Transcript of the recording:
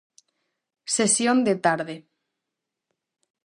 Sesión de tarde: